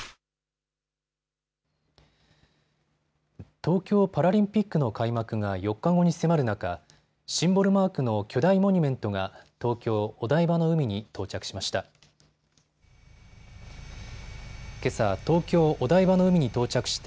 東京パラリンピックの開幕が４日後に迫る中、シンボルマークの巨大モニュメントが東京お台場の海に到着しました。